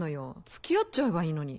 付き合っちゃえばいいのに。